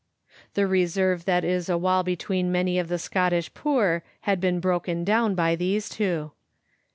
The reserve that is a wall between many of the Scot tish poor had been broken down by these two.